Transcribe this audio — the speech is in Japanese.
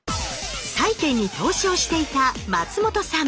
債券に投資をしていた松本さん。